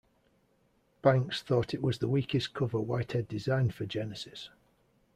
Banks thought it was the weakest cover Whitehead designed for Genesis.